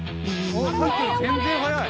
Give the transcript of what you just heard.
さっきより全然速い。